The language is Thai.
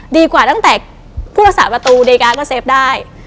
ดีกว่าตั้งแต่ภูตรศาสตร์ประตูเดย์ก๊าก็เซฟได้